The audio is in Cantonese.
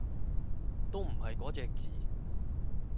都唔係嗰隻字